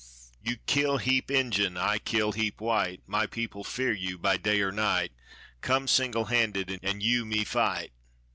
"You kill heap Injun, I kill heap white; My people fear you by day or night; Come, single handed, an' you me fight."